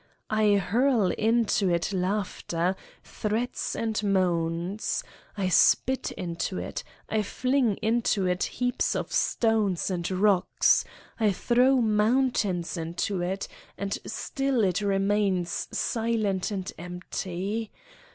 I hurl into it laughter, threats and moans. I spit into it. I fling into it heaps of stones and rocks. I throw mountains into it and still it remains silent and empty.